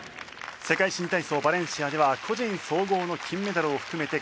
世界新体操バレンシアでは個人総合の金メダルを含めて５冠。